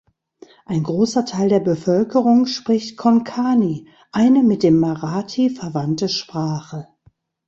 Ein großer Teil der Bevölkerung spricht Konkani, eine mit dem Marathi verwandte Sprache.